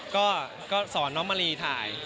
ก็สอนน้องมารีถ่าย